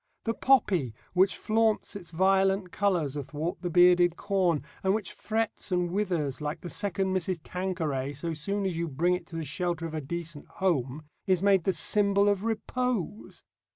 The poppy which flaunts its violent colours athwart the bearded corn, and which frets and withers like the Second Mrs. Tanqueray so soon as you bring it to the shelter of a decent home, is made the symbol of Repose.